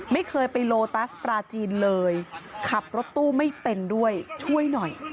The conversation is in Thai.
ไม่เคยไปโลตัสปลาจีนเลยขับรถตู้ไม่เป็นด้วยช่วยหน่อย